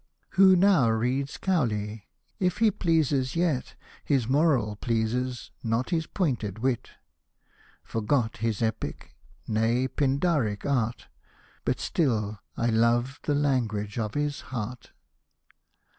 " Who now reads Cowley ? if he pleases yet, His moral pleases, not his pointed wit, Forgot his epic, nay Pindaric art, But still I love the language of his heart."